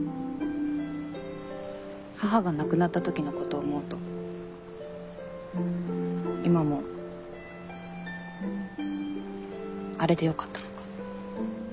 母が亡くなったときのことを思うと今もあれでよかったのか。